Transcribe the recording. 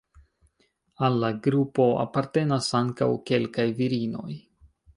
Al la grupo apartenas ankaŭ kelkaj virinoj.